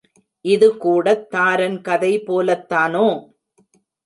இது கூடத் தாரன் கதை போலத்தானோ?